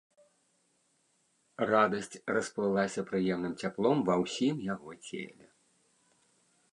Радасць расплылася прыемным цяплом ва ўсім яго целе.